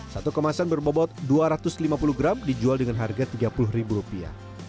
satu kemasan berbobot dua ratus lima puluh gram dijual dengan harga tiga puluh ribu rupiah